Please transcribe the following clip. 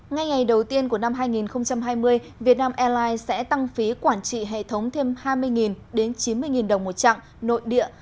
ngay ngày đầu tiên của năm hai nghìn hai mươi vietnam airlines sẽ tăng phí quản trị hệ thống thêm hai mươi đến chín mươi đồng một chặng nội địa